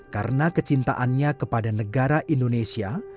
karena kecintaannya kepada negara indonesia